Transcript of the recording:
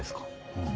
うん。